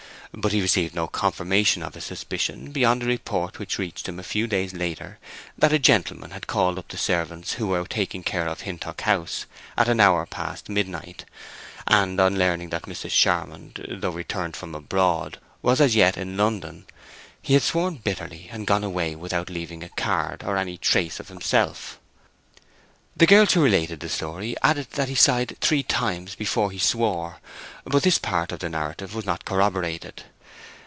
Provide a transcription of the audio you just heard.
But he received no confirmation of his suspicion beyond a report which reached him a few days later that a gentleman had called up the servants who were taking care of Hintock House at an hour past midnight; and on learning that Mrs. Charmond, though returned from abroad, was as yet in London, he had sworn bitterly, and gone away without leaving a card or any trace of himself. The girls who related the story added that he sighed three times before he swore, but this part of the narrative was not corroborated.